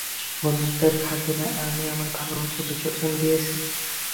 বন্ধুত্বের খাতিরে, আমি আমার ভালবাসা বিসর্জন দিয়েছি।